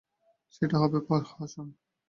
সেটা হবে প্রহসন।